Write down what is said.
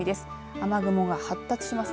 雨雲が発達します。